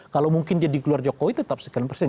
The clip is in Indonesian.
kalau mungkin dia dikeluar jokowi tetap sekian persen